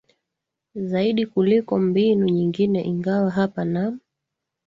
zaidi kuliko mbinu nyingine ingawa hapa na